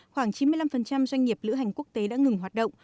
khoảng chín mươi năm doanh nghiệp lữ hành quốc tế đã ngừng hoạt động